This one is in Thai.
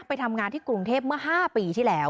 ไปทำงานที่กรุงเทพเมื่อ๕ปีที่แล้ว